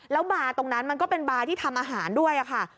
แล้วบาร์ตรงนั้นมันก็เป็นบาร์ที่ทำอาหารด้วยค่ะ